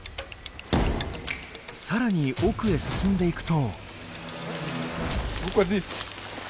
更に奥へ進んでいくと。